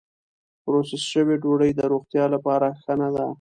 پروسس شوې ډوډۍ د روغتیا لپاره ښه نه ده.